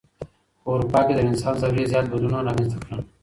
په اروپا کي د رنسانس دورې زيات بدلونونه رامنځته کړل.